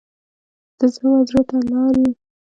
د زړه و زړه لار وي.